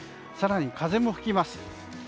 更に風も吹きます。